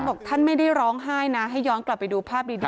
บอกท่านไม่ได้ร้องไห้นะให้ย้อนกลับไปดูภาพดี